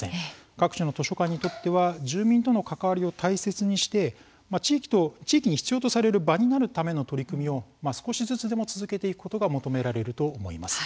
各地の図書館にとっては住民との関わりを大切にして地域に必要とされる場になるための取り組みを少しずつでも続けていくことが求められると思います。